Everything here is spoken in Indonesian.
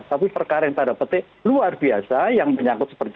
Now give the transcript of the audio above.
tapi perkara yang tanda petik luar biasa yang menyangkut seperti itu